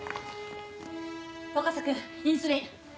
若狭君インスリン！